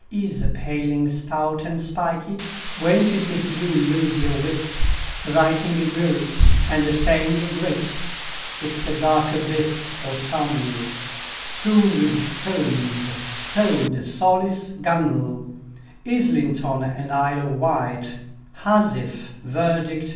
— Is a paling, stout and spikey; Won't it make you lose your wits, Writing "groats" and saying groats? It's a dark abyss or tunnel, Strewn with stones, like rowlock, gunwale, Islington and Isle of Wight, Housewife, verdict and indict!